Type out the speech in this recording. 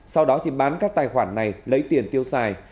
sau đó thì bán các tài khoản này lấy tiền tiêu xài